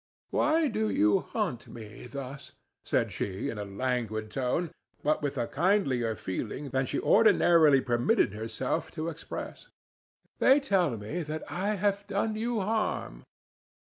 "Why do you haunt me thus?" said she, in a languid tone, but with a kindlier feeling than she ordinarily permitted herself to express. "They tell me that I have done you harm."